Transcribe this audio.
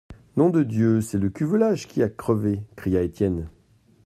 Nom de Dieu ! c'est le cuvelage qui a crevé, cria Étienne.